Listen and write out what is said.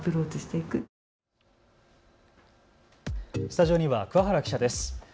スタジオには桑原記者です。